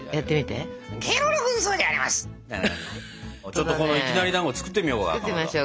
ちょっとこのいきなりだんご作ってみようかかまど。